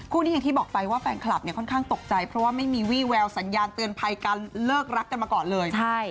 อย่างที่บอกไปว่าแฟนคลับเนี่ยค่อนข้างตกใจเพราะว่าไม่มีวี่แววสัญญาณเตือนภัยการเลิกรักกันมาก่อนเลย